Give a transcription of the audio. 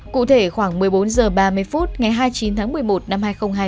cụ thể khoảng một mươi bốn h ba mươi phút ngày hai mươi chín tháng một mươi một năm hai nghìn hai mươi